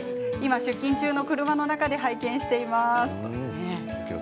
今出勤中の車の中で拝見しています。